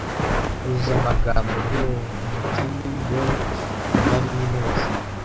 Uzuza Amagambo "Yoo! Umukene Yorick! Nari muzi